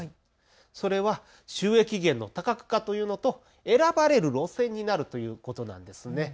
それは収益源の多角化というのと選ばれる路線になるということなんです。